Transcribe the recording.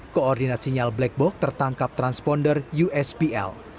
koordinat sinyal black box tertangkap transponder uspl